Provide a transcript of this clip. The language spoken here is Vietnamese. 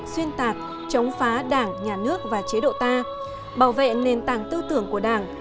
xuyên tạc chống phá đảng nhà nước và chế độ ta bảo vệ nền tảng tư tưởng của đảng